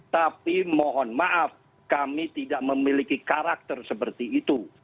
tapi mohon maaf kami tidak memiliki karakter seperti itu